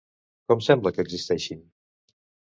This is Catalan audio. Com sembla que existeixin?